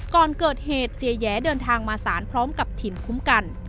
ก่อนเกิดเหตุเจียเดินทางมาสารพร้อมกับทีมคุ้มกัน